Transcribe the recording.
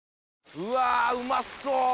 うわー、うまそう。